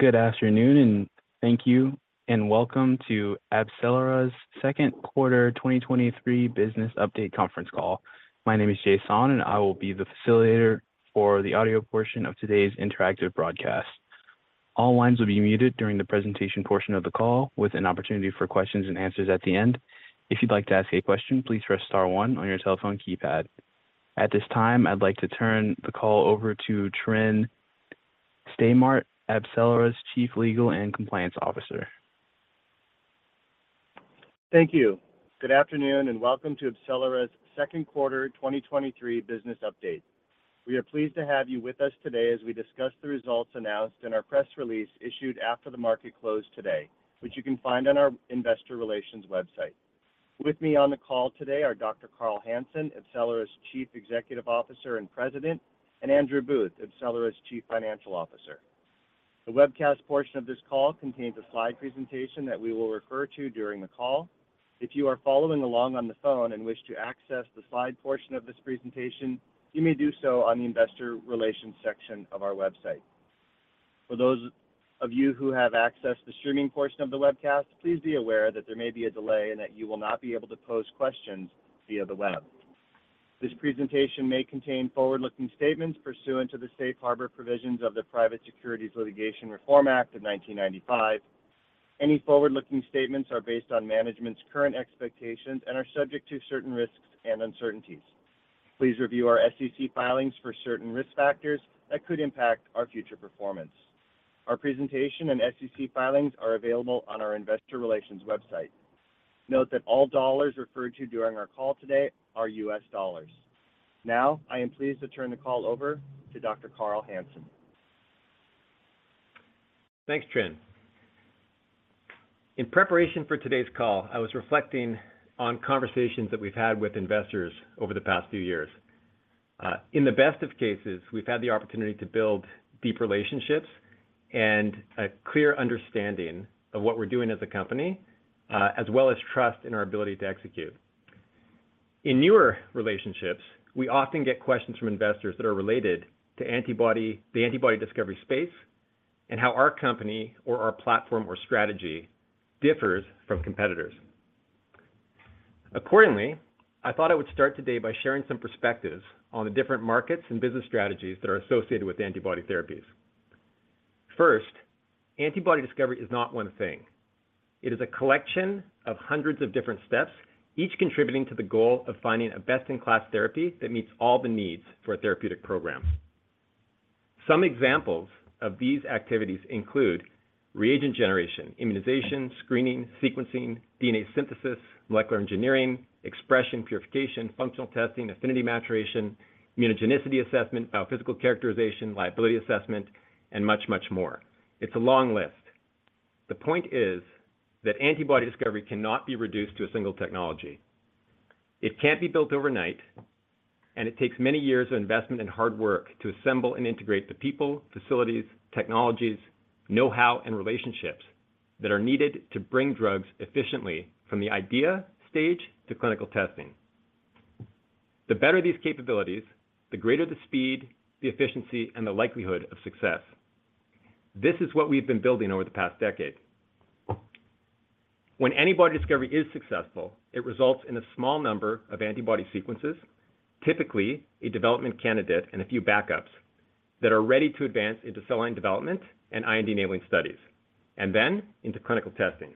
Good afternoon, and thank you, and welcome to AbCellera's second quarter 2023 business update conference call. My name is Jason, and I will be the facilitator for the audio portion of today's interactive broadcast. All lines will be muted during the presentation portion of the call, with an opportunity for questions and answers at the end. If you'd like to ask a question, please press star one on your telephone keypad. At this time, I'd like to turn the call over to Tryn Stimart, AbCellera's Chief Legal and Compliance Officer. Thank you. Good afternoon, and welcome to AbCellera's second quarter 2023 business update. We are pleased to have you with us today as we discuss the results announced in our press release issued after the market closed today, which you can find on our investor relations website. With me on the call today are Dr. Carl Hansen, AbCellera's Chief Executive Officer and President, and Andrew Booth, AbCellera's Chief Financial Officer. The webcast portion of this call contains a slide presentation that we will refer to during the call. If you are following along on the phone and wish to access the slide portion of this presentation, you may do so on the investor relations section of our website. For those of you who have accessed the streaming portion of the webcast, please be aware that there may be a delay and that you will not be able to pose questions via the web. This presentation may contain forward-looking statements pursuant to the safe harbor provisions of the Private Securities Litigation Reform Act of 1995. Any forward-looking statements are based on management's current expectations and are subject to certain risks and uncertainties. Please review our SEC filings for certain risk factors that could impact our future performance. Our presentation and SEC filings are available on our investor relations website. Note that all dollars referred to during our call today are U.S. dollars. Now, I am pleased to turn the call over to Dr. Carl Hansen. Thanks, Tryn. In preparation for today's call, I was reflecting on conversations that we've had with investors over the past few years. In the best of cases, we've had the opportunity to build deep relationships and a clear understanding of what we're doing as a company, as well as trust in our ability to execute. In newer relationships, we often get questions from investors that are related to the antibody discovery space and how our company or our platform or strategy differs from competitors. Accordingly, I thought I would start today by sharing some perspectives on the different markets and business strategies that are associated with antibody therapies. First, antibody discovery is not one thing. It is a collection of hundreds of different steps, each contributing to the goal of finding a best-in-class therapy that meets all the needs for a therapeutic program. Some examples of these activities include reagent generation, immunization, screening, sequencing, DNA synthesis, molecular engineering, expression, purification, functional testing, affinity maturation, immunogenicity assessment, biophysical characterization, liability assessment, and much, much more. It's a long list. The point is that antibody discovery cannot be reduced to a single technology. It can't be built overnight, and it takes many years of investment and hard work to assemble and integrate the people, facilities, technologies, know-how, and relationships that are needed to bring drugs efficiently from the idea stage to clinical testing. The better these capabilities, the greater the speed, the efficiency, and the likelihood of success. This is what we've been building over the past decade. When antibody discovery is successful, it results in a small number of antibody sequences, typically a development candidate and a few backups, that are ready to advance into cell line development and IND-enabling studies, and then into clinical testing.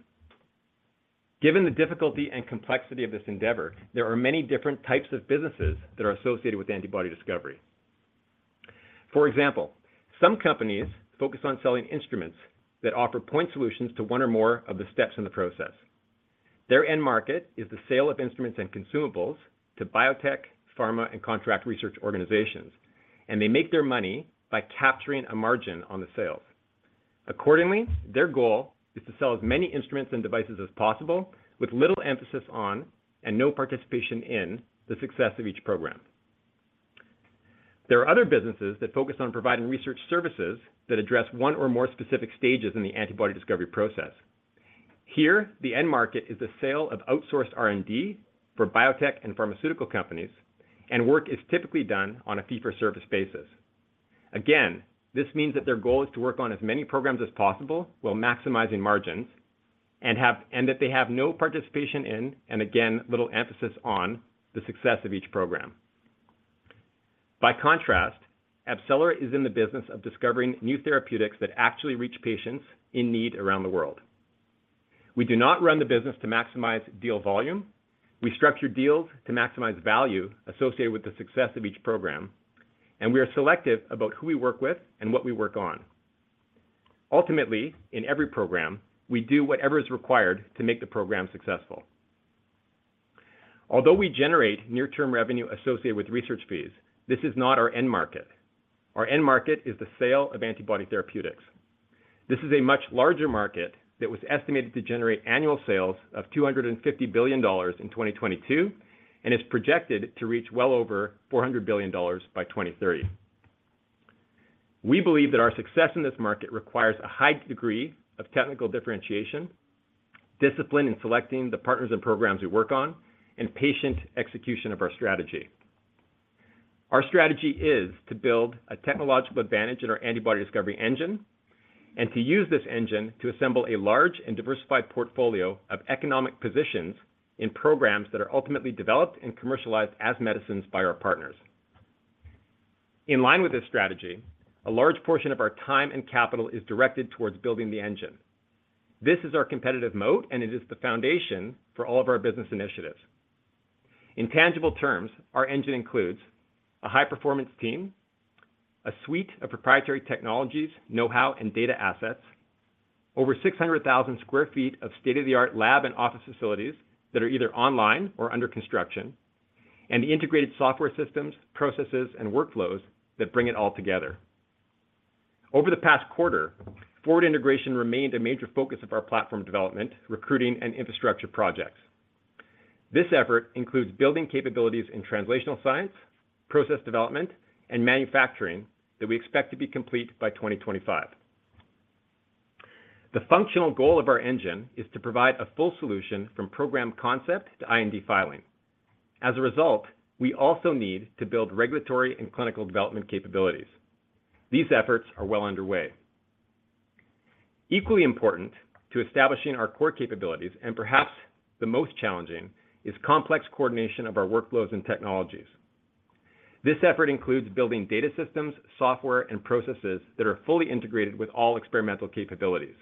Given the difficulty and complexity of this endeavor, there are many different types of businesses that are associated with antibody discovery. For example, some companies focus on selling instruments that offer point solutions to one or more of the steps in the process. Their end market is the sale of instruments and consumables to biotech, pharma, and contract research organizations, and they make their money by capturing a margin on the sales. Accordingly, their goal is to sell as many instruments and devices as possible with little emphasis on, and no participation in, the success of each program. There are other businesses that focus on providing research services that address one or more specific stages in the antibody discovery process. Here, the end market is the sale of outsourced R&D for biotech and pharmaceutical companies, and work is typically done on a fee-for-service basis. Again, this means that their goal is to work on as many programs as possible while maximizing margins, and have, and that they have no participation in, and again, little emphasis on the success of each program. By contrast, AbCellera is in the business of discovering new therapeutics that actually reach patients in need around the world. We do not run the business to maximize deal volume. We structure deals to maximize value associated with the success of each program, and we are selective about who we work with and what we work on. Ultimately, in every program, we do whatever is required to make the program successful. Although we generate near-term revenue associated with research fees, this is not our end market. Our end market is the sale of antibody therapeutics. This is a much larger market that was estimated to generate annual sales of $250 billion in 2022, and is projected to reach well over $400 billion by 2030. We believe that our success in this market requires a high degree of technical differentiation, discipline in selecting the partners and programs we work on, and patient execution of our strategy. Our strategy is to build a technological advantage in our antibody discovery engine, and to use this engine to assemble a large and diversified portfolio of economic positions in programs that are ultimately developed and commercialized as medicines by our partners. In line with this strategy, a large portion of our time and capital is directed towards building the engine. This is our competitive moat, and it is the foundation for all of our business initiatives. In tangible terms, our engine includes a high-performance team, a suite of proprietary technologies, know-how, and data assets, over 600,000 sq ft of state-of-the-art lab and office facilities that are either online or under construction, and the integrated software systems, processes, and workflows that bring it all together. Over the past quarter, forward integration remained a major focus of our platform development, recruiting, and infrastructure projects. This effort includes building capabilities in translational science, process development, and manufacturing that we expect to be complete by 2025. The functional goal of our engine is to provide a full solution from program concept to IND filing. As a result, we also need to build regulatory and clinical development capabilities. These efforts are well underway. Equally important to establishing our core capabilities, and perhaps the most challenging, is complex coordination of our workflows and technologies. This effort includes building data systems, software, and processes that are fully integrated with all experimental capabilities.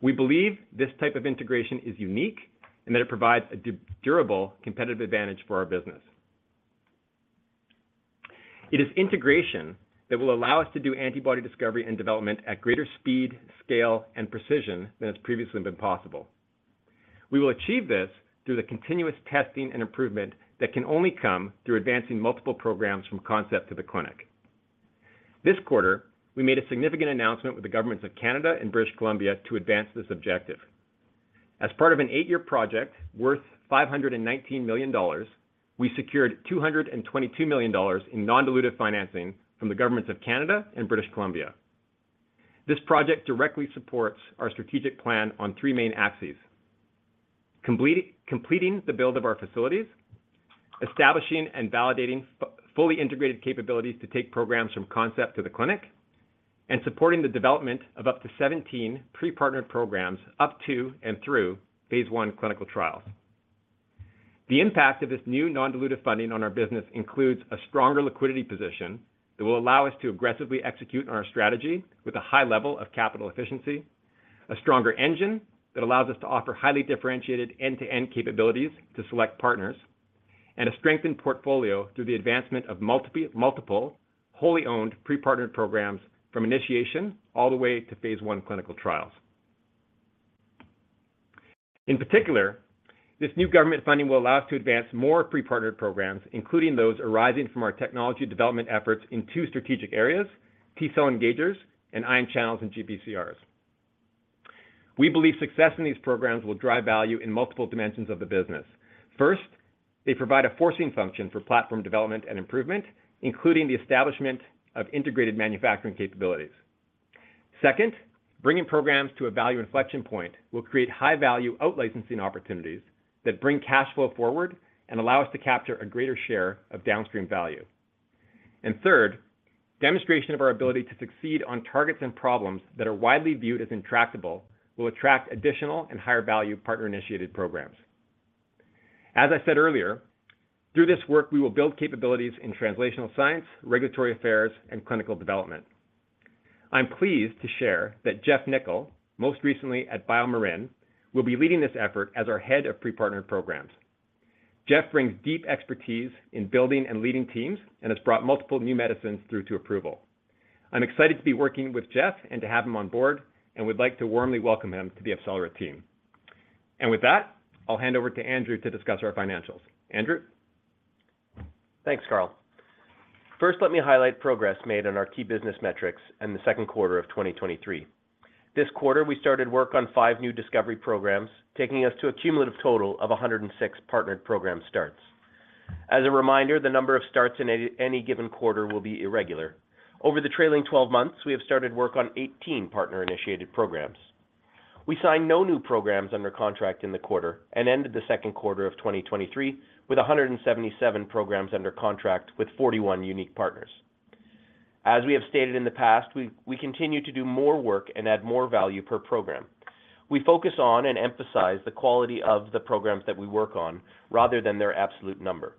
We believe this type of integration is unique and that it provides a durable competitive advantage for our business. It is integration that will allow us to do antibody discovery and development at greater speed, scale, and precision than has previously been possible. We will achieve this through the continuous testing and improvement that can only come through advancing multiple programs from concept to the clinic. This quarter, we made a significant announcement with the governments of Canada and British Columbia to advance this objective. As part of an eight-year project worth $519 million, we secured $222 million in non-dilutive financing from the governments of Canada and British Columbia. This project directly supports our strategic plan on three main axes: completing the build of our facilities, establishing and validating fully integrated capabilities to take programs from concept to the clinic, and supporting the development of up to 17 pre-partnered programs up to and through phase I clinical trials. The impact of this new non-dilutive funding on our business includes a stronger liquidity position that will allow us to aggressively execute on our strategy with a high level of capital efficiency, a stronger engine that allows us to offer highly differentiated end-to-end capabilities to select partners, and a strengthened portfolio through the advancement of multiple, multiple wholly owned pre-partnered programs from initiation all the way to phase I clinical trials. In particular, this new government funding will allow us to advance more pre-partnered programs, including those arising from our technology development efforts in two strategic areas, T-cell engagers and ion channels and GPCRs. We believe success in these programs will drive value in multiple dimensions of the business. First, they provide a forcing function for platform development and improvement, including the establishment of integrated manufacturing capabilities. Second, bringing programs to a value inflection point will create high-value out-licensing opportunities that bring cash flow forward and allow us to capture a greater share of downstream value. Third, demonstration of our ability to succeed on targets and problems that are widely viewed as intractable will attract additional and higher-value partner-initiated programs. As I said earlier, through this work, we will build capabilities in translational science, regulatory affairs, and clinical development. I'm pleased to share that Geoff Nichol, most recently at BioMarin, will be leading this effort as our Head of Pre-Partnered Programs. Geoff brings deep expertise in building and leading teams and has brought multiple new medicines through to approval. I'm excited to be working with Geoff and to have him on board, and would like to warmly welcome him to the AbCellera team. With that, I'll hand over to Andrew to discuss our financials. Andrew? Thanks, Carl. First, let me highlight progress made on our key business metrics in the second quarter of 2023. This quarter, we started work on five new discovery programs, taking us to a cumulative total of 106 partnered program starts. As a reminder, the number of starts in any given quarter will be irregular. Over the trailing 12 months, we have started work on 18 partner-initiated programs. We signed no new programs under contract in the quarter and ended the second quarter of 2023 with 177 programs under contract with 41 unique partners. As we have stated in the past, we continue to do more work and add more value per program. We focus on and emphasize the quality of the programs that we work on rather than their absolute number.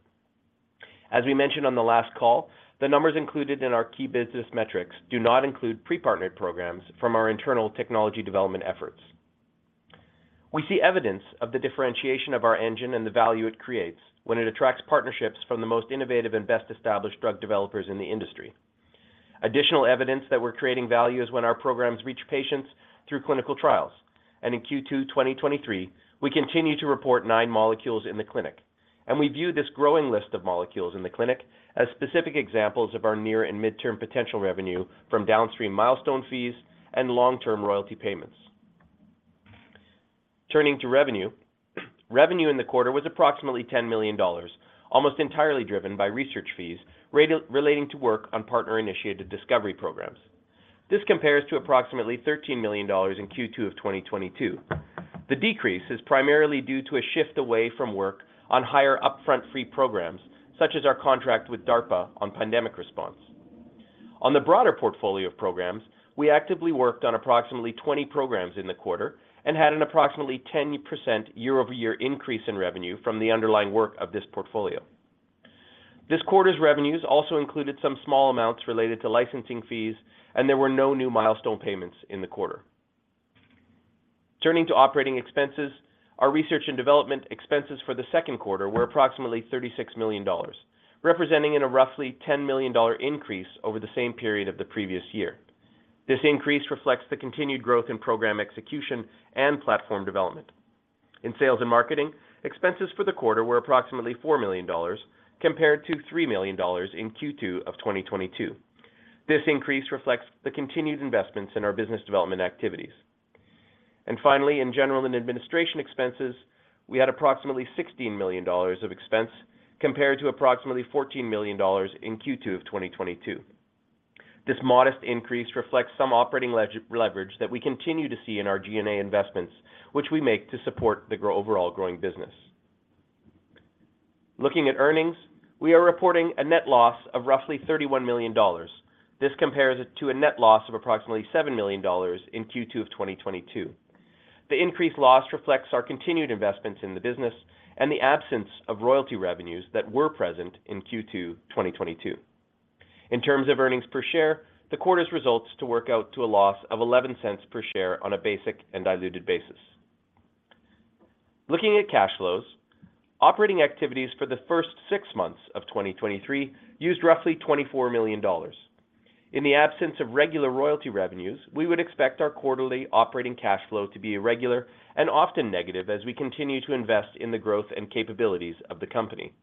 As we mentioned on the last call, the numbers included in our key business metrics do not include pre-partnered programs from our internal technology development efforts. We see evidence of the differentiation of our engine and the value it creates when it attracts partnerships from the most innovative and best-established drug developers in the industry. Additional evidence that we're creating value is when our programs reach patients through clinical trials, and in Q2 2023, we continue to report nine molecules in the clinic, and we view this growing list of molecules in the clinic as specific examples of our near and midterm potential revenue from downstream milestone fees and long-term royalty payments. Turning to revenue, revenue in the quarter was approximately $10 million, almost entirely driven by research fees relating to work on partner-initiated discovery programs. This compares to approximately $13 million in Q2 of 2022. The decrease is primarily due to a shift away from work on higher upfront free programs, such as our contract with DARPA on pandemic response. On the broader portfolio of programs, we actively worked on approximately 20 programs in the quarter and had an approximately 10% year-over-year increase in revenue from the underlying work of this portfolio. This quarter's revenues also included some small amounts related to licensing fees, and there were no new milestone payments in the quarter. Turning to operating expenses, our research and development expenses for the second quarter were approximately $36 million, representing in a roughly $10 million increase over the same period of the previous year. This increase reflects the continued growth in program execution and platform development. In sales and marketing, expenses for the quarter were approximately $4 million, compared to $3 million in Q2 of 2022. This increase reflects the continued investments in our business development activities. Finally, in general and administration expenses, we had approximately $16 million of expense, compared to approximately $14 million in Q2 of 2022. This modest increase reflects some operating leverage that we continue to see in our G&A investments, which we make to support the overall growing business. Looking at earnings, we are reporting a net loss of roughly $31 million. This compares it to a net loss of approximately $7 million in Q2 of 2022. The increased loss reflects our continued investments in the business and the absence of royalty revenues that were present in Q2, 2022. In terms of earnings per share, the quarter's results to work out to a loss of $0.11 per share on a basic and diluted basis. Looking at cash flows, operating activities for the first six months of 2023 used roughly $24 million. In the absence of regular royalty revenues, we would expect our quarterly operating cash flow to be irregular and often negative as we continue to invest in the growth and capabilities of the company.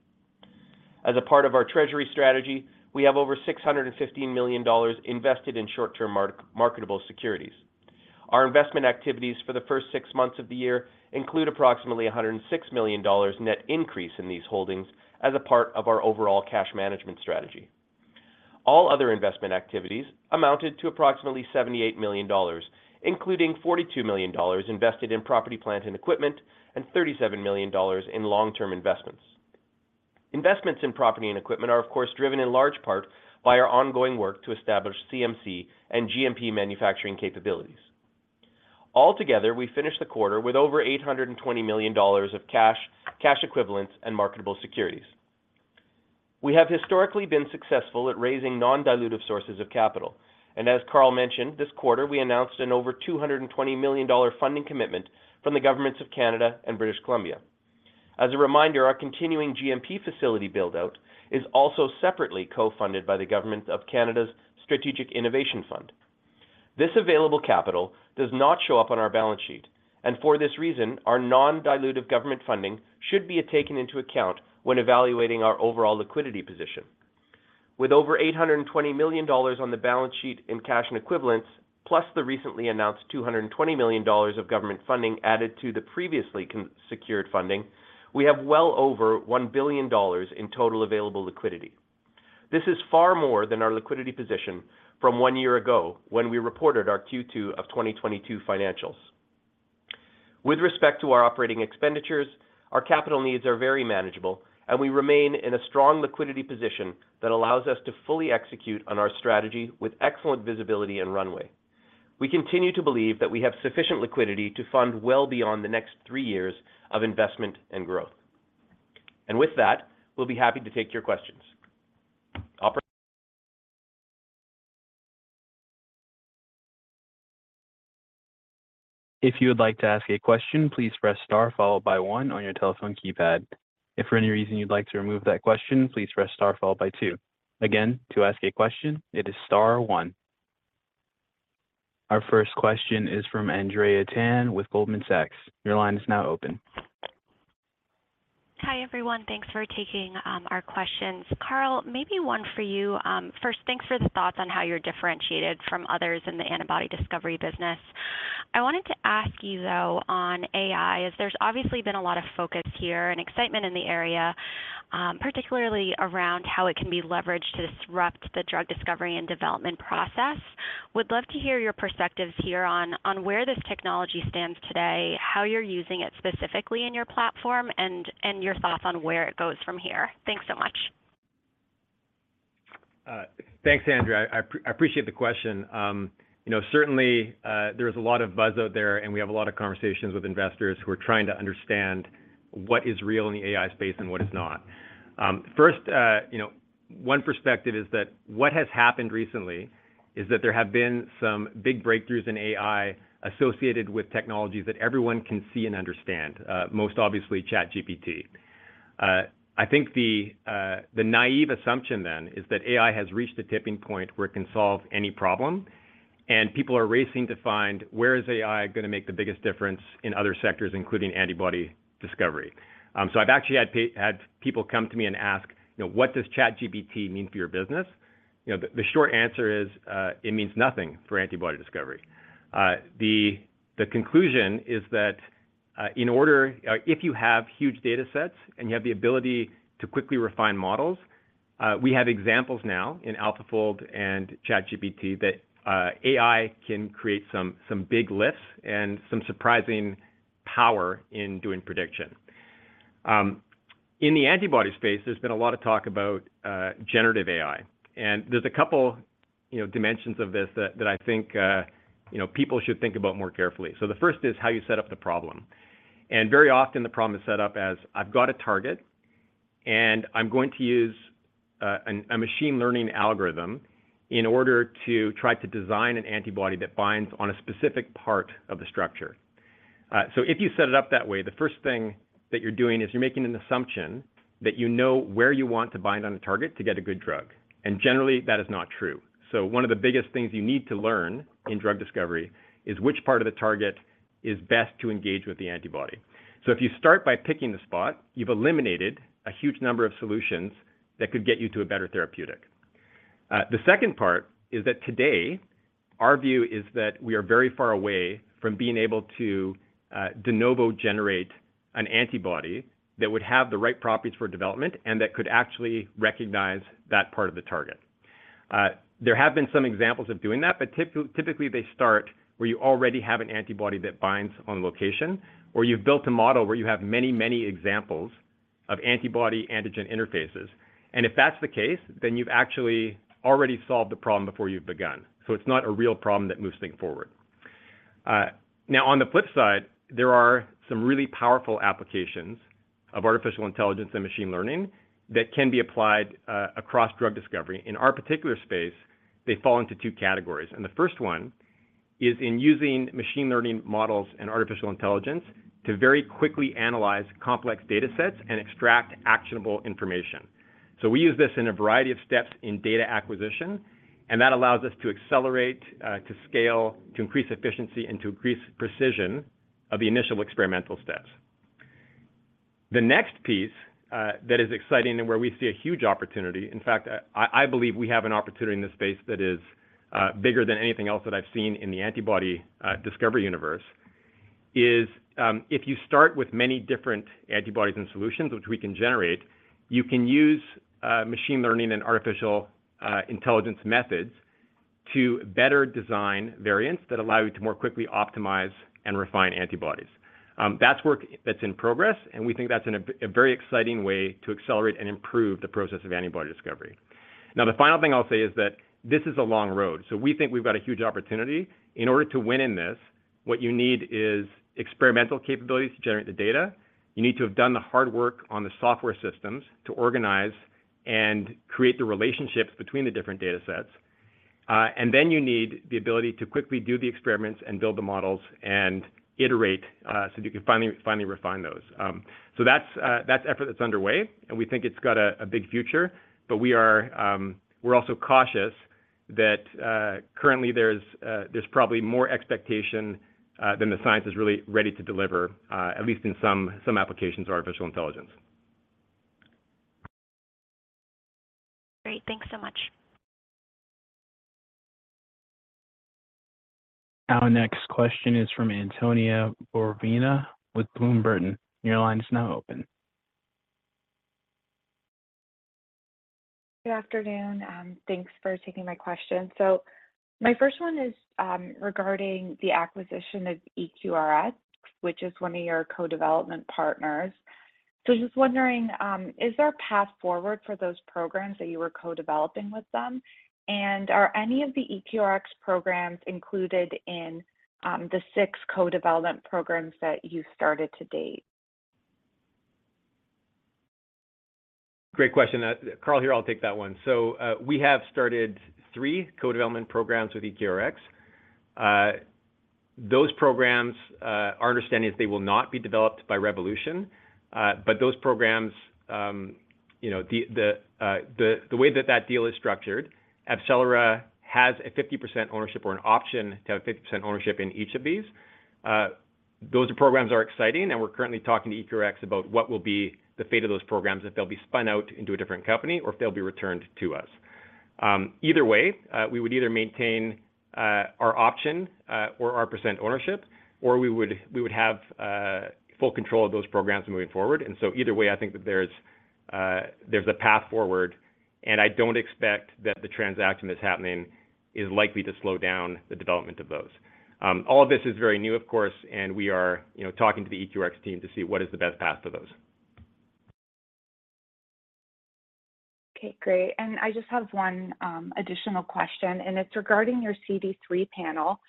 As a part of our treasury strategy, we have over $615 million invested in short-term marketable securities. Our investment activities for the first six months of the year include approximately $106 million net increase in these holdings as a part of our overall cash management strategy. All other investment activities amounted to approximately $78 million, including $42 million invested in property, plant, and equipment, and $37 million in long-term investments. Investments in property and equipment are, of course, driven in large part by our ongoing work to establish CMC and GMP manufacturing capabilities. Altogether, we finished the quarter with over $820 million of cash, cash equivalents, and marketable securities. We have historically been successful at raising non-dilutive sources of capital, and as Carl mentioned, this quarter, we announced an over $220 million funding commitment from the governments of Canada and British Columbia. As a reminder, our continuing GMP facility build-out is also separately co-funded by the government of Canada's Strategic Innovation Fund. This available capital does not show up on our balance sheet, and for this reason, our non-dilutive government funding should be taken into account when evaluating our overall liquidity position. With over $820 million on the balance sheet in cash and equivalents, plus the recently announced $220 million of government funding added to the previously secured funding, we have well over $1 billion in total available liquidity. This is far more than our liquidity position from one year ago when we reported our Q2 of 2022 financials. With respect to our operating expenditures, our capital needs are very manageable, and we remain in a strong liquidity position that allows us to fully execute on our strategy with excellent visibility and runway. We continue to believe that we have sufficient liquidity to fund well beyond the next three years of investment and growth. With that, we'll be happy to take your questions. Operator? If you would like to ask a question, please press star followed by one on your telephone keypad. If for any reason you'd like to remove that question, please press star followed by two. Again, to ask a question, it is star one. Our first question is from Andrea Tan with Goldman Sachs. Your line is now open. Hi, everyone. Thanks for taking our questions. Carl, maybe one for you. First, thanks for the thoughts on how you're differentiated from others in the antibody discovery business. I wanted to ask you, though, on AI, as there's obviously been a lot of focus here and excitement in the area, particularly around how it can be leveraged to disrupt the drug discovery and development process. Would love to hear your perspectives here on where this technology stands today, how you're using it specifically in your platform, and your thoughts on where it goes from here. Thanks so much. Thanks, Andrea. I appreciate the question. You know, certainly, there's a lot of buzz out there, and we have a lot of conversations with investors who are trying to understand what is real in the AI space and what is not. First, you know, one perspective is that what has happened recently is that there have been some big breakthroughs in AI associated with technology that everyone can see and understand, most obviously, ChatGPT. I think the, the naive assumption then is that AI has reached a tipping point where it can solve any problem, and people are racing to find where is AI gonna make the biggest difference in other sectors, including antibody discovery. I've actually had people come to me and ask, What does ChatGPT mean for your business? You know, the, the short answer is, it means nothing for antibody discovery. The, the conclusion is that in order, if you have huge data sets and you have the ability to quickly refine models, we have examples now in AlphaFold and ChatGPT that AI can create some, some big lifts and some surprising power in doing prediction. In the antibody space, there's been a lot of talk about generative AI, and there's a couple, you know, dimensions of this that, that I think, you know, people should think about more carefully. The first is how you set up the problem. Very often, the problem is set up as I've got a target, and I'm going to use an, a machine learning algorithm in order to try to design an antibody that binds on a specific part of the structure. If you set it up that way, the first thing that you're doing is you're making an assumption that you know where you want to bind on the target to get a good drug, and generally, that is not true. One of the biggest things you need to learn in drug discovery is which part of the target is best to engage with the antibody. If you start by picking the spot, you've eliminated a huge number of solutions that could get you to a better therapeutic. The second part is that today, our view is that we are very far away from being able to de novo generate an antibody that would have the right properties for development and that could actually recognize that part of the target. There have been some examples of doing that, but typically, they start where you already have an antibody that binds on location, or you've built a model where you have many, many examples of antibody-antigen interfaces. If that's the case, then you've actually already solved the problem before you've begun, so it's not a real problem that moves things forward. Now, on the flip side, there are some really powerful applications of artificial intelligence and machine learning that can be applied across drug discovery. In our particular space, they fall into two categories, and the first one is in using machine learning models and artificial intelligence to very quickly analyze complex data sets and extract actionable information. We use this in a variety of steps in data acquisition, and that allows us to accelerate, to scale, to increase efficiency, and to increase precision of the initial experimental steps. The next piece, that is exciting and where we see a huge opportunity, in fact, I, I believe we have an opportunity in this space that is bigger than anything else that I've seen in the antibody discovery universe, is, if you start with many different antibodies and solutions, which we can generate, you can use machine learning and artificial intelligence methods to better design variants that allow you to more quickly optimize and refine antibodies. That's work that's in progress, and we think that's a very exciting way to accelerate and improve the process of antibody discovery. The final thing I'll say is that this is a long road, so we think we've got a huge opportunity. In order to win in this, what you need is experimental capabilities to generate the data. You need to have done the hard work on the software systems to organize and create the relationships between the different data sets. And then you need the ability to quickly do the experiments and build the models and iterate, so you can finally, finally refine those. So that's, that's effort that's underway, and we think it's got a big future, but we are, we're also cautious that, currently there's, there's probably more expectation than the science is really ready to deliver, at least in some, some applications of artificial intelligence. Great, thanks so much. Our next question is from Antonia Borovina with Bloom Burton. Your line is now open. Good afternoon, thanks for taking my question. My first one is regarding the acquisition of EQRx, which is one of your co-development partners. Just wondering, is there a path forward for those programs that you were co-developing with them? Are any of the EQRx programs included in the six co-development programs that you started to date? Great question. Carl here, I'll take that one. We have started three co-development programs with EQRx. Those programs, our understanding is they will not be developed by Revolution, those programs, you know, the way that that deal is structured, AbCellera has a 50% ownership or an option to have a 50% ownership in each of these. Those programs are exciting, and we're currently talking to EQRx about what will be the fate of those programs, if they'll be spun out into a different company or if they'll be returned to us. Either way, we would either maintain, our option, or our % ownership, or we would, we would have, full control of those programs moving forward. Either way, I think that there's, there's a path forward, and I don't expect that the transaction that's happening is likely to slow down the development of those. All of this is very new, of course, and we are, you know, talking to the EQRx team to see what is the best path for those. Okay, great. I just have one additional question, and it's regarding your CD3 panel.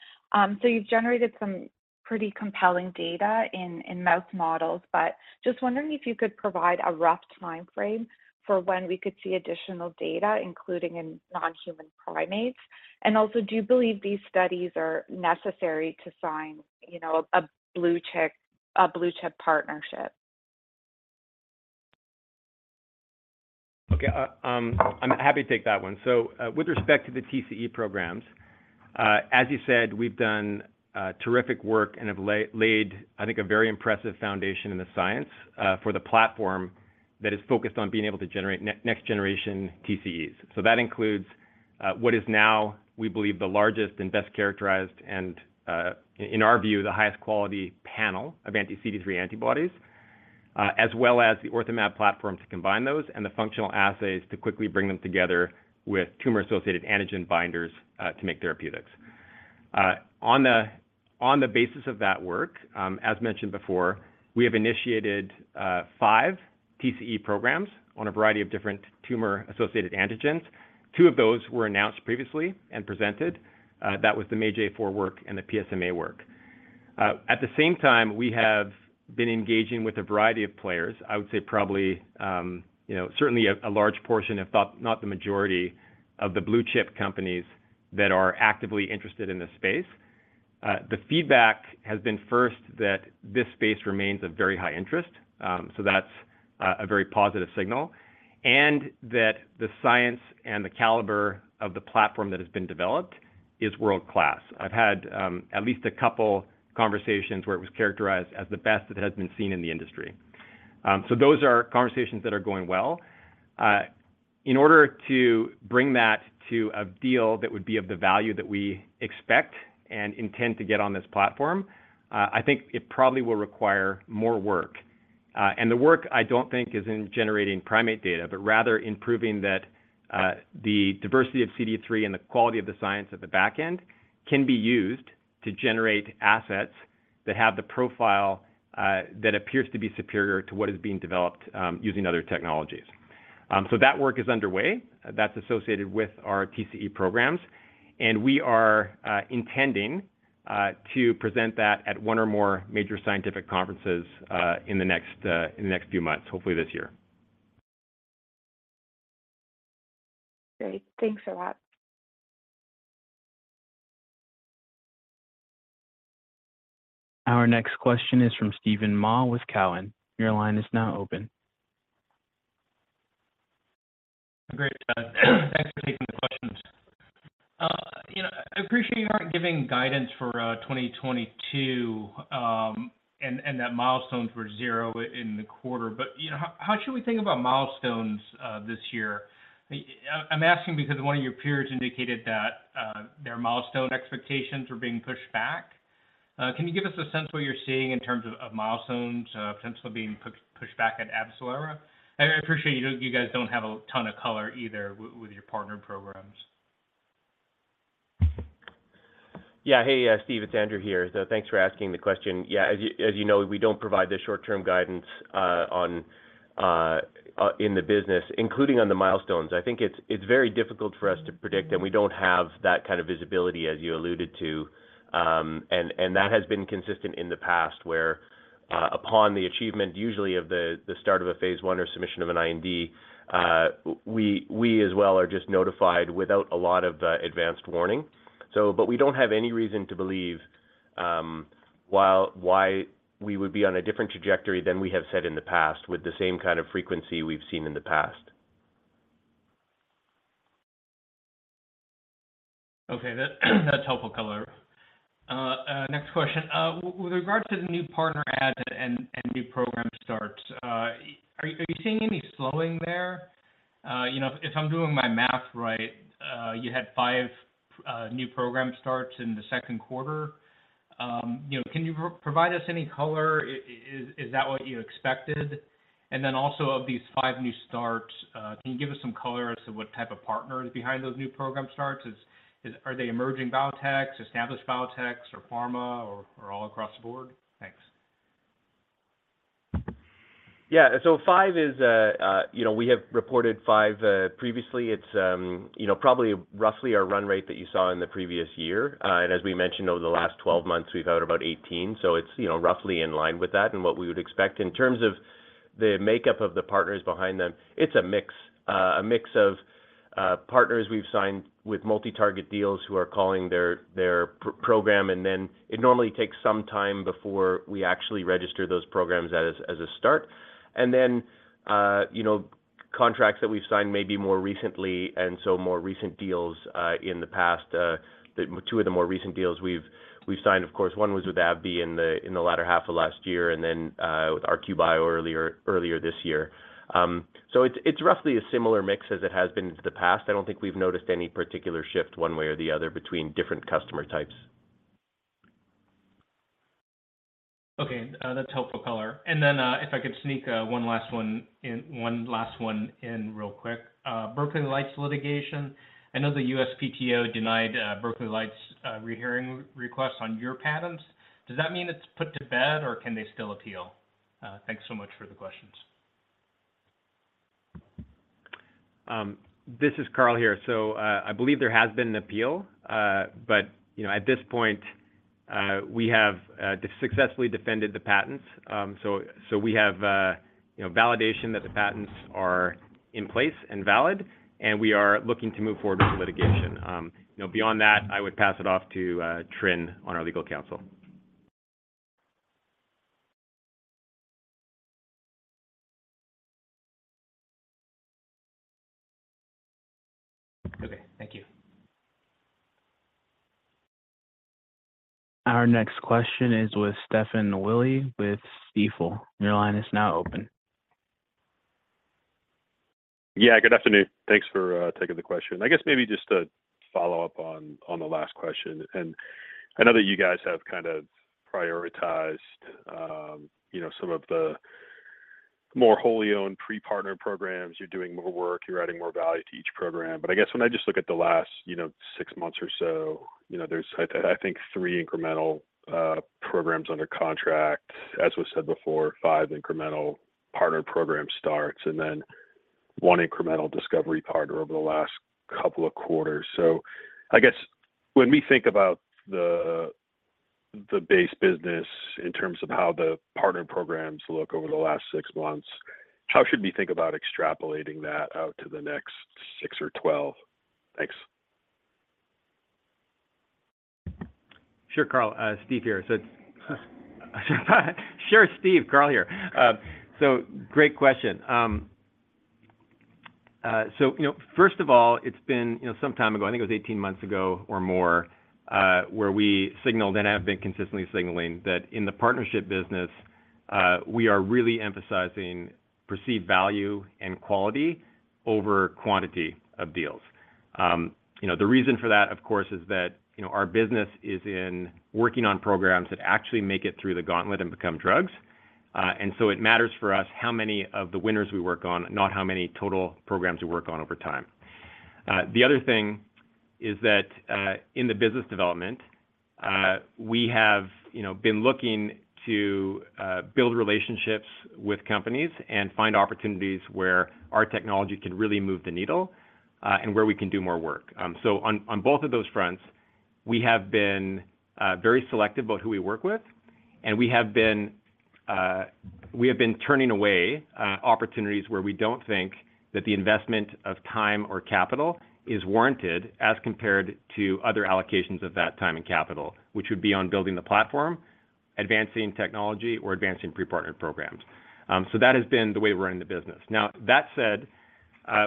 You've generated some pretty compelling data in, in mouse models, but just wondering if you could provide a rough timeframe for when we could see additional data, including in non-human primates? Also, do you believe these studies are necessary to sign, you know, a blue-chip, a blue-chip partnership? Ok, I'm happy to take that one. So, with respect to the TCE programs, as you said, we've done terrific work and have laid, I think, a very impressive foundation in the science for the platform that is focused on being able to generate next-generation TCEs. So that includes what is now, we believe, the largest and best characterized, and, in our view, the highest quality panel of anti-CD3 antibodies, as well as the OrthoMab platform to combine those and the functional assays to quickly bring them together with tumor-associated antigen binders to make therapeutics. On the basis of that work, as mentioned before, we have initiated five TCE programs on a variety of different tumor-associated antigens. Two of those were announced previously and presented. That was the MAGE-A4 work and the PSMA work. At the same time, we have been engaging with a variety of players. I would say probably, you know, certainly a, a large portion, if not, not the majority, of the blue-chip companies that are actively interested in this space. The feedback has been, first, that this space remains of very high interest, so that's a very positive signal, and that the science and the caliber of the platform that has been developed is world-class. I've had, at least a couple conversations where it was characterized as the best that has been seen in the industry. So those are conversations that are going well. In order to bring that to a deal that would be of the value that we expect and intend to get on this platform, I think it probably will require more work. The work, I don't think, is in generating primate data, but rather in proving that the diversity of CD3 and the quality of the science at the back end can be used to generate assets that have the profile that appears to be superior to what is being developed using other technologies. That work is underway. That's associated with our TCE programs, and we are intending to present that at one or more major scientific conferences in the next in the next few months, hopefully this year. Great. Thanks a lot. Our next question is from Steven Mah with Cowen. Your line is now open. Great. Thanks for taking the questions. You know, I appreciate you aren't giving guidance for 2022, and, and that milestones were zero in the quarter, but, you know, how, how should we think about milestones this year? I'm, I'm asking because one of your peers indicated that their milestone expectations were being pushed back. Can you give us a sense what you're seeing in terms of, of milestones, potentially being pushed back at AbCellera? I, I appreciate you don't you guys don't have a ton of color either with, with your partner programs. Yeah. Hey, Steve, it's Andrew here. Thanks for asking the question. Yeah, as you, as you know, we don't provide the short-term guidance on in the business, including on the milestones. I think it's very difficult for us to predict, and we don't have that kind of visibility as you alluded to. That has been consistent in the past, where upon the achievement, usually of the start of a phase one or submission of an IND, we as well are just notified without a lot of advanced warning. We don't have any reason to believe why we would be on a different trajectory than we have set in the past with the same kind of frequency we've seen in the past. Okay, that, that's helpful color. Next question. With regard to the new partner add and new program starts, are you seeing any slowing there? You know, if I'm doing my math right, you had five new program starts in the second quarter. You know, can you provide us any color? Is that what you expected? Then also, of these five new starts, can you give us some color as to what type of partner is behind those new program starts? Are they emerging biotechs, established biotechs, or pharma, or all across the board? Thanks. Yeah, so five is, you know, we have reported five previously. It's, you know, probably roughly our run rate that you saw in the previous year. As we mentioned, over the last 12 months, we've had about 18, so it's, you know, roughly in line with that and what we would expect. In terms of the makeup of the partners behind them, it's a mix. A mix of partners we've signed with multi-target deals who are calling their, their program, and then it normally takes some time before we actually register those programs as, as a start. Then, you know, contracts that we've signed maybe more recently, and so more recent deals in the past. The two of the more recent deals we've, we've signed, of course, one was with AbbVie in the, in the latter half of last year, and then, with RQ Bio earlier, earlier this year. It's, it's roughly a similar mix as it has been in the past. I don't think we've noticed any particular shift one way or the other between different customer types. Okay, that's helpful color. Then, if I could sneak one last one in, one last one in real quick. Berkeley Lights litigation. I know the USPTO denied Berkeley Lights', rehearing request on your patents. Does that mean it's put to bed, or can they still appeal? Thanks so much for the questions. This is Carl here. I believe there has been an appeal, but, you know, at this point, we have successfully defended the patents. So we have, you know, validation that the patents are in place and valid, and we are looking to move forward with the litigation. You know, beyond that, I would pass it off to Tryn on our legal counsel. Okay. Thank you. Our next question is with Stephen Willey with Stifel. Your line is now open. Yeah, good afternoon. Thanks for taking the question. I guess maybe just to follow up on the last question, I know that you guys have kind of prioritized, you know, some of the more wholly owned pre-partnered programs. You're doing more work, you're adding more value to each program. I guess when I just look at the last, you know, six months or so, you know, there's I think three incremental programs under contract. As was said before, five incremental partnered program starts, and then one incremental discovery partner over the last couple of quarters. So I guess when we think about the base business in terms of how the partnered programs look over the last six months, how should we think about extrapolating that out to the next six or 12? Thanks. Sure, Carl. Steve here. Sure, Steve. Carl here. Great question. You know, first of all, it's been, you know, some time ago, I think it was 18 months ago or more, where we signaled and have been consistently signaling that in the partnership business, we are really emphasizing perceived value and quality over quantity of deals. You know, the reason for that, of course, is that, you know, our business is in working on programs that actually make it through the gauntlet and become drugs. It matters for us how many of the winners we work on, not how many total programs we work on over time. The other thing is that, in the business development, we have, you know, been looking to build relationships with companies and find opportunities where our technology can really move the needle, and where we can do more work. On, on both of those fronts, we have been very selective about who we work with, and we have been, we have been turning away opportunities where we don't think that the investment of time or capital is warranted as compared to other allocations of that time and capital, which would be on building the platform, advancing technology, or advancing pre-partnered programs. So that has been the way we're running the business. Now, that said,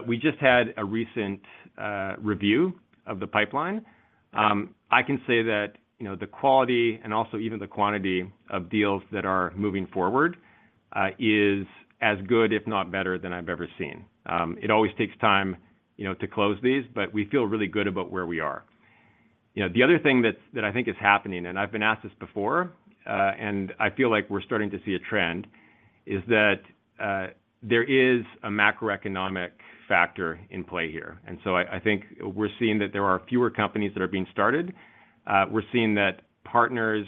we just had a recent review of the pipeline. I can say that, you know, the quality and also even the quantity of deals that are moving forward, is as good, if not better, than I've ever seen. It always takes time, you know, to close these, but we feel really good about where we are. You know, the other thing that, that I think is happening, and I've been asked this before, and I feel like we're starting to see a trend, is that there is a macroeconomic factor in play here. And so, I think we're seeing that there are fewer companies that are being started. We're seeing that partners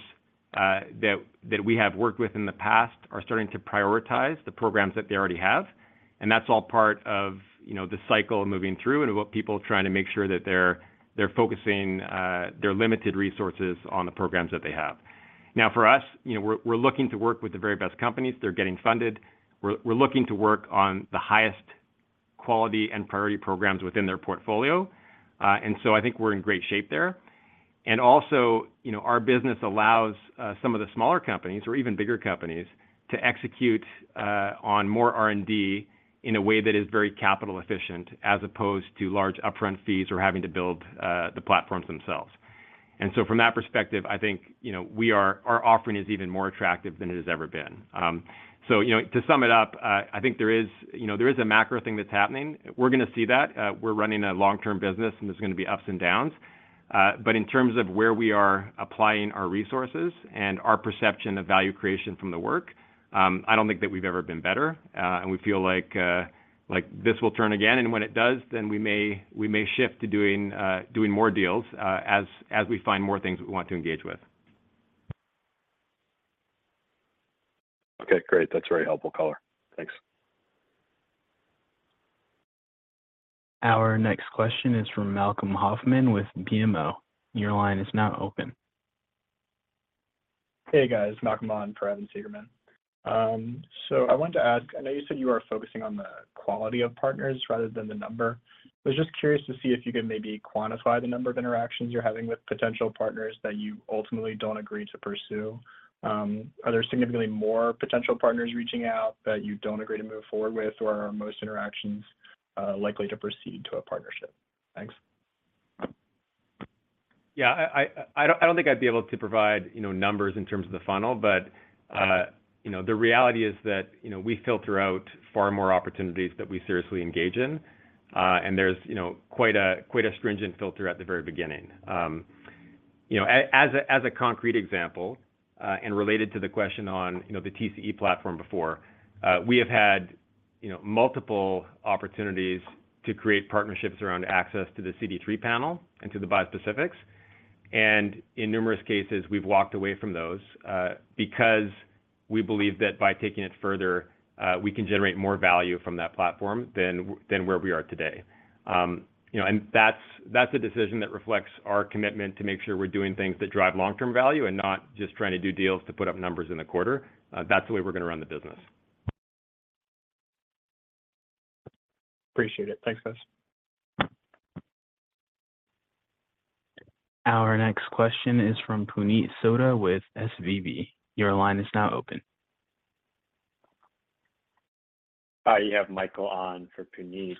that we have worked with in the past are starting to prioritize the programs that they already have. That's all part of, you know, the cycle moving through and what people trying to make sure that they're focusing their limited resources on the programs that they have. Now, for us, you know, we're looking to work with the very best companies. They're getting funded. We're looking to work on the highest quality and priority programs within their portfolio. I think we're in great shape there. Also, you know, our business allows some of the smaller companies or even bigger companies to execute on more R&D in a way that is very capital efficient, as opposed to large upfront fees or having to build the platforms themselves. And so from that perspective, I think, you know, our offering is even more attractive than it has ever been. You know, to sum it up, I think there is, you know, there is a macro thing that's happening. We're going to see that, we're running a long-term business, and there's going to be ups and downs. In terms of where we are applying our resources and our perception of value creation from the work, I don't think that we've ever been better, and we feel like, like this will turn again, and when it does, then we may, we may shift to doing, doing more deals, as, as we find more things we want to engage with. Okay, great. That's very helpful, Carl. Thanks. Our next question is from Malcolm Hoffman with BMO. Your line is now open. Hey, guys, Malcolm on for Evan Seigerman. I wanted to ask, I know you said you are focusing on the quality of partners rather than the number. I was just curious to see if you could maybe quantify the number of interactions you're having with potential partners that you ultimately don't agree to pursue. Are there significantly more potential partners reaching out that you don't agree to move forward with, or are most interactions likely to proceed to a partnership? Thanks. Yeah, I, I, I don't, I don't think I'd be able to provide, you know, numbers in terms of the funnel, but, you know, the reality is that, you know, we filter out far more opportunities than we seriously engage in. And there's, you know, quite a, quite a stringent filter at the very beginning. You know, as a, as a concrete example, in related to the question on, you know, the TCE platform before, we have had, you know, multiple opportunities to create partnerships around access to the CD3 panel and to the bispecifics, and in numerous cases, we've walked away from those, because we believe that by taking it further, we can generate more value from that platform than, than where we are today. You know, that's, that's a decision that reflects our commitment to make sure we're doing things that drive long-term value and not just trying to do deals to put up numbers in the quarter. That's the way we're going to rn uthe business. Appreciate it. Thanks, guys. Our next question is from Puneet Souda with svb. Your line is now open. Hi, you have Michael on for Puneet.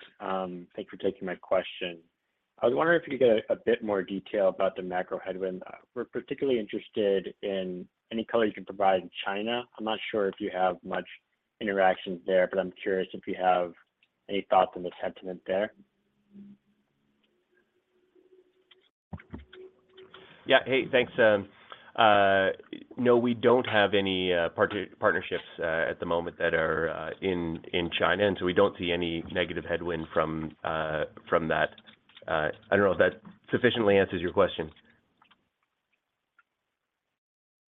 Thanks for taking my question. I was wondering if you could give a, a bit more detail about the macro headwind. We're particularly interested in any color you can provide in China. I'm not sure if you have much interactions there, but I'm curious if you have any thoughts on the sentiment there? Yeah. Hey, thanks. No, we don't have any partnerships at the moment that are in China, and so we don't see any negative headwind from that. I don't know if that sufficiently answers your question.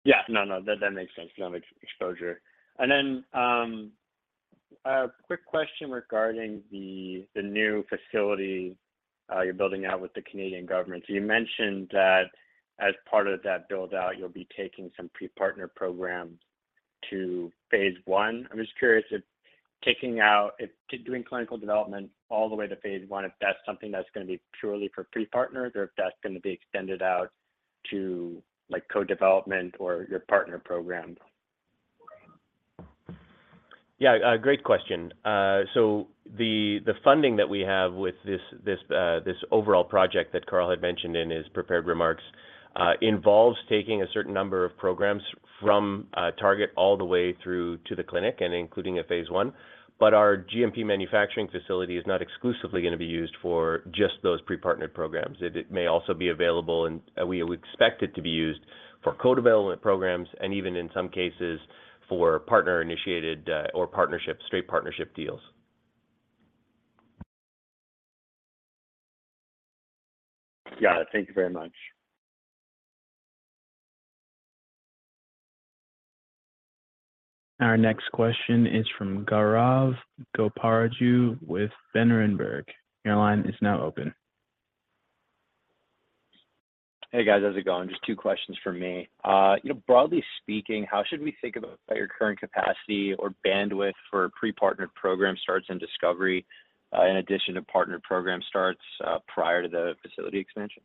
Yeah. No, no, that, that makes sense. No exposure. And then a, quick question regarding the new facility you're building out with the Canadian government? You mentioned that as part of that build-out, you'll be taking some pre-partner programs to phase I. I'm just curious if taking doing clinical development all the way to phase 1, if that's gonna be purely for pre-partner, or if that's gonna be extended out to, like, co-development or your partner program? Yeah, a great question. The funding that we have with this overall project that Carl had mentioned in his prepared remarks, involves taking a certain number of programs from target all the way through to the clinic, and including a phase I. Our GMP manufacturing facility is not exclusively gonna be used for just those pre-partnered programs. It may also be available, and we expect it to be used for co-development programs and even in some cases, for partner-initiated, or partnership, straight partnership deals. Got it. Thank you very much. Our next question is from Gaurav Goparaju with BERENBERG. Your line is now open. Hey, guys. How's it going? Just two questions for me. You know, broadly speaking, how should we think about your current capacity or bandwidth for pre-partnered program starts in discovery, in addition to partnered program starts, prior to the facility expansion?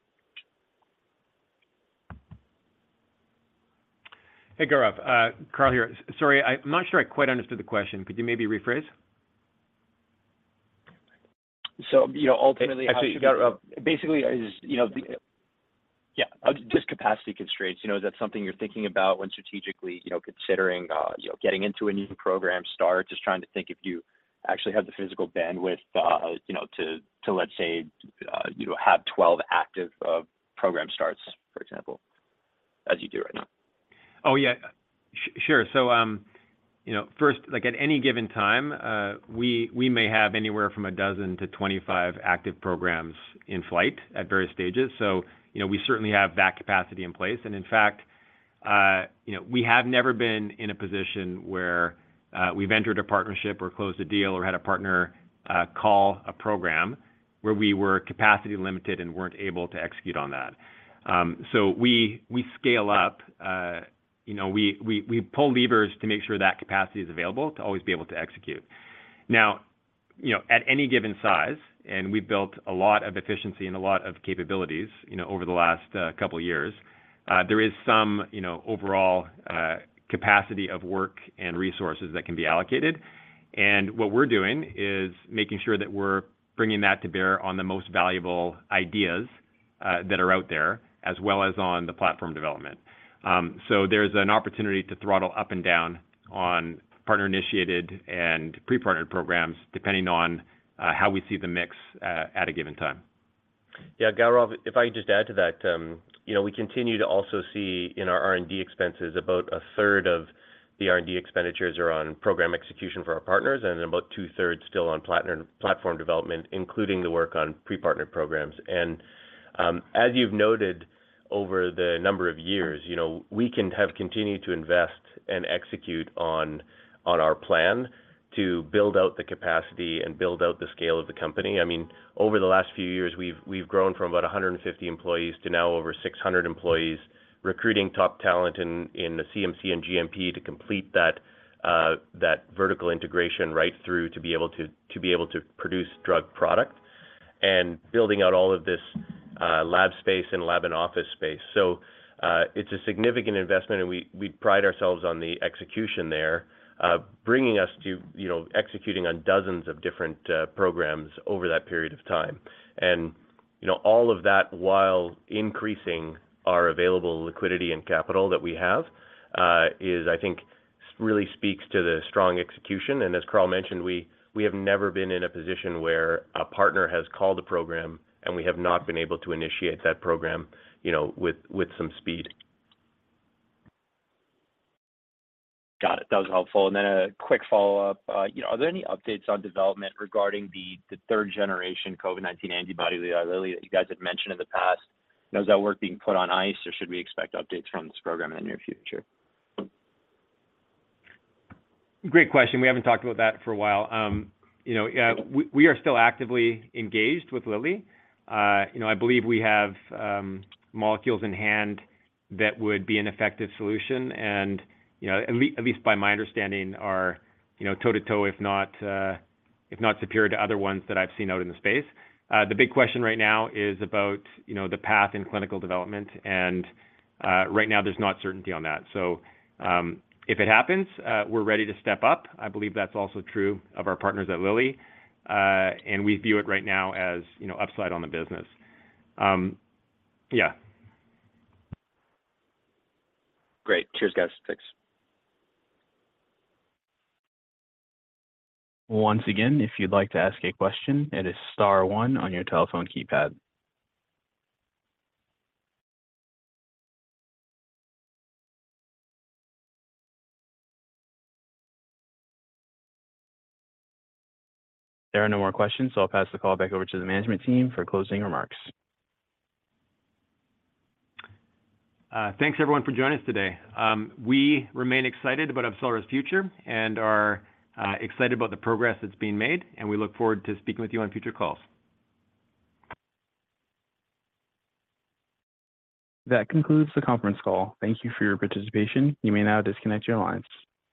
Hey, Gaurav, Carl here. Sorry, I'm not sure I quite understood the question. Could you maybe rephrase? you know Actually, Gaurav- Basically, I just, you know, yeah, just capacity constraints. You know, is that something you're thinking about when strategically, you know, considering, you know, getting into a new program start? Just trying to think if you actually have the physical bandwidth, you know, to, to, let's say, you know, have 12 active program starts, for example, as you do right now. Oh, yeah. Sure. You know, first, like at any given time, we, we may have anywhere from a dozen to 25 active programs in flight at various stages. You know, we certainly have that capacity in place. In fact, you know, we have never been in a position where we've entered a partnership or closed a deal or had a partner call a program where we were capacity limited and weren't able to execute on that. We, we scale up. You know, we, we, we pull levers to make sure that capacity is available to always be able to execute. Now, you know, at any given size, and we've built a lot of efficiency and a lot of capabilities, you know, over the last couple of years, there is some, you know, overall capacity of work and resources that can be allocated. What we're doing is making sure that we're bringing that to bear on the most valuable ideas, that are out there, as well as on the platform development. There's an opportunity to throttle up and down on partner-initiated and pre-partnered programs, depending on how we see the mix, at a given time. Yeah, Gaurav, if I could just add to that, you know, we continue to also see in our R&D expenses, about 1/3 of the R&D expenditures are on program execution for our partners, and about 2/3 still on platform development, including the work on pre-partnered programs. As you've noted over the number of years, you know, we can have continued to invest and execute on, on our plan to build out the capacity and build out the scale of the company. I mean, over the last few years, we've grown from about 150 employees to now over 600 employees, recruiting top talent in the CMC and GMP to complete that vertical integration right through to be able to produce drug product and building out all of this lab space and lab and office space. It's a significant investment, and we pride ourselves on the execution there, bringing us to, you know, executing on dozens of different programs over that period of time. You know, all of that while increasing our available liquidity and capital that we have, I think, really speaks to the strong execution. As Carl mentioned, we, we have never been in a position where a partner has called a program and we have not been able to initiate that program, you know, with, with some speed. Got it. That was helpful. Then a quick follow-up. you know, are there any updates on development regarding the third-generation COVID-19 antibody, with Lilly, that you guys had mentioned in the past? Is that work being put on ice, or should we expect updates from this program in the near future? Great question. We haven't talked about that for a while. You know, we, we are still actively engaged with Lilly. You know, I believe we have molecules in hand that would be an effective solution and, you know, at least by my understanding, are, you know, toe-to-toe, if not superior to other ones that I've seen out in the space. The big question right now is about, you know, the path in clinical development, and right now there's not certainty on that. So if it happens, we're ready to step up. I believe that's also true of our partners at Lilly, and we view it right now as, you know, upside on the business. Yeah. Great. Cheers, guys. Thanks. Once again, if you'd like to ask a question, it is star one on your telephone keypad. There are no more questions, so I'll pass the call back over to the management team for closing remarks. Thanks, everyone, for joining us today. We remain excited about AbCellera's future and are excited about the progress that's being made. We look forward to speaking with you on future calls. That concludes the conference call. Thank you for your participation. You may now disconnect your lines.